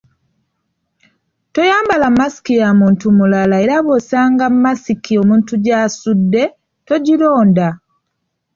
Toyambala masiki ya muntu mulala era bw’osanga masiki omuntu gy’asudde, togironda.